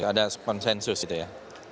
ada konsensus gitu ya